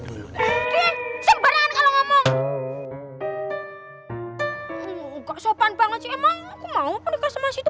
dulu ya sempet banget emang mau mau